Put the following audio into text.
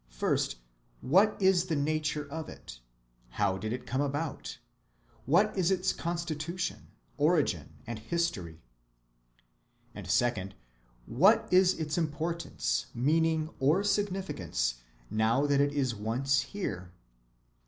First, what is the nature of it? how did it come about? what is its constitution, origin, and history? And second, What is its importance, meaning, or significance, now that it is once here?